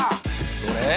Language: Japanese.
・どれ？